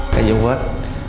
cái dấu vết